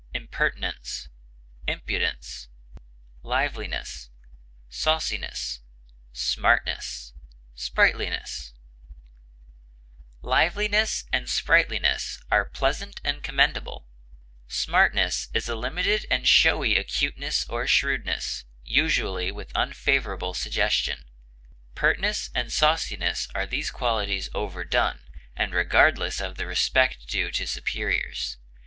briskness, impertinence, sauciness, flippancy, impudence, smartness, Liveliness and sprightliness are pleasant and commendable; smartness is a limited and showy acuteness or shrewdness, usually with unfavorable suggestion; pertness and sauciness are these qualities overdone, and regardless of the respect due to superiors.